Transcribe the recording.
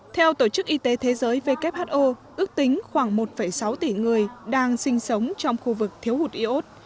theo tổ chức y tế thế giới who ước tính khoảng một sáu tỷ người đang sinh sống trong khu vực thiếu hụt iốt